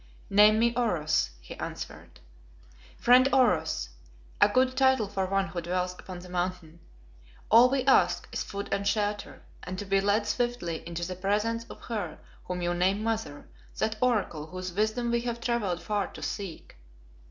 "Name me Oros," he answered. "Friend Oros a good title for one who dwells upon the Mountain all we ask is food and shelter, and to be led swiftly into the presence of her whom you name Mother, that Oracle whose wisdom we have travelled far to seek."